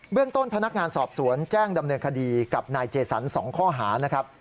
เรื่องต้นพนักงานสอบสวนแจ้งดำเนินคดีกับนายเจสัน๒ข้อหานะครับ